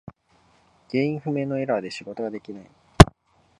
原因不明のエラーで仕事ができない。